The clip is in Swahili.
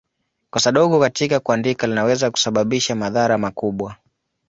Kosa dogo katika kuandika linaweza kusababisha madhara makubwa.